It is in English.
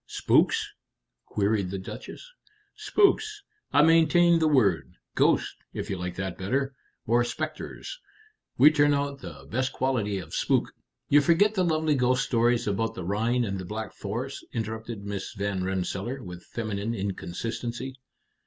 "Spooks?" queried the Duchess. "Spooks. I maintain the word. Ghost, if you like that better, or specters. We turn out the best quality of spook " "You forget the lovely ghost stories about the Rhine and the Black Forest," interrupted Miss Van Rensselaer, with feminine inconsistency.